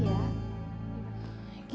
jangan menunggu untuk berbiskup